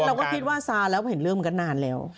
เราก็ทินว่าซายแล้วเห็นเรื่องกันนานเร็ว